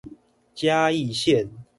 嘉義線